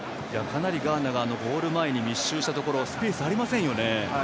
かなりガーナがゴール前に密集したところスペースありませんよね。